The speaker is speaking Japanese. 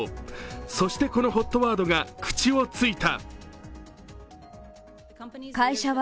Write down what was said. そしてこのＨＯＴワードが口をついた。